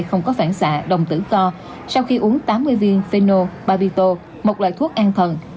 không có phản xạ đồng tử co sau khi uống tám mươi viên phenobarbito một loại thuốc an thần